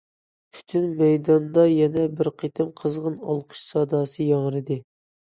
پۈتۈن مەيداندا يەنە بىر قېتىم قىزغىن ئالقىش ساداسى ياڭرىدى.